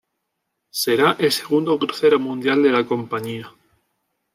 Será el segundo crucero mundial de la compañía.